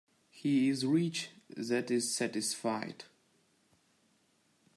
He is rich that is satisfied.